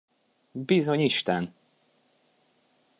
Bizonyisten!